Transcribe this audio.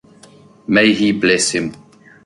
May he bless him.